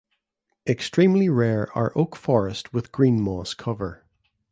Extremely rare are oak forest with green moss cover.